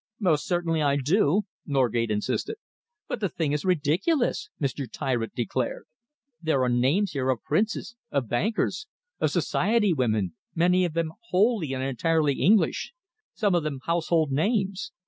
"Most certainly I do," Norgate insisted. "But the thing is ridiculous!" Mr. Tyritt declared. "There are names here of princes, of bankers, of society women, many of them wholly and entirely English, some of them household names.